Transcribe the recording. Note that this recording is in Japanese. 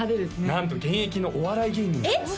なんと現役のお笑い芸人さんえっ！